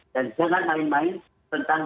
dan jangan main main tentang